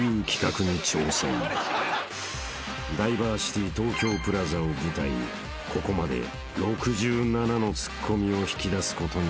［ダイバーシティ東京プラザを舞台にここまで６７のツッコミを引き出すことに成功した］